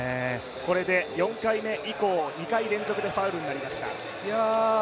これで４回目以降、２回連続でファウルとなりました。